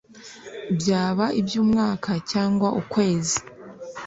byaba iby’umwaka cyangwa ukwezi